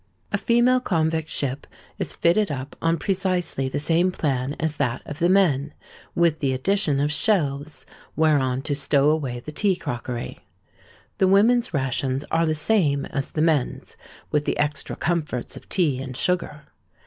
A female convict ship is fitted up on precisely the same plan as that of the men, with the addition of shelves whereon to stow away the tea crockery. The women's rations are the same as the men's, with the extra comforts of tea and sugar.